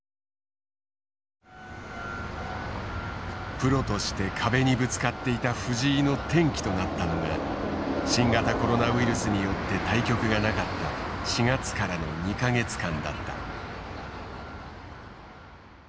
プロとして壁にぶつかっていた藤井の転機となったのが新型コロナウイルスによって対局がなかった４月からの２か月間だった。